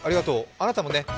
あなたもね。